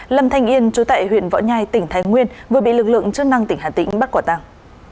lâm thanh yên chú tại huyện võ nhai tỉnh thái nguyên vừa bị lực lượng chức năng tỉnh hà tĩnh bắt quả tàng